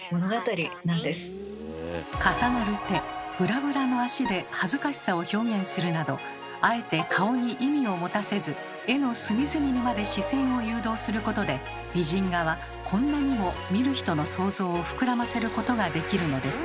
重なる手ぶらぶらの足で恥ずかしさを表現するなどあえて顔に意味を持たせず絵の隅々にまで視線を誘導することで美人画はこんなにも見る人の想像を膨らませることができるのです。